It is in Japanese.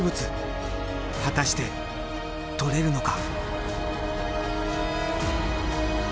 果たして採れるのか？